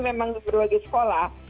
memang berbagai sekolah